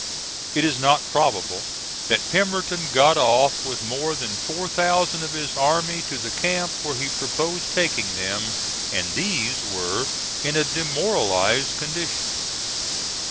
It is not probable that Pemberton got off with over 4,000 of his army to the camp where he proposed taking them, and these were in a demoralized condition.